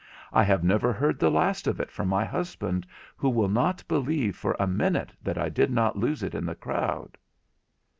I have never heard the last of it from my husband, who will not believe for a minute that I did not lose it in the crowd.'